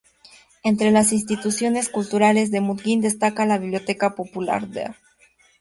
Entre las instituciones culturales de Mutquín destaca la Biblioteca Popular “Dr.